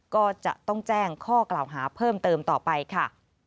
ก็จะต้องแจ้งข้อกล่าวหาเพิ่มเติมต่อไปค่ะ